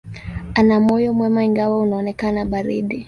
Ana moyo mwema, ingawa unaonekana baridi.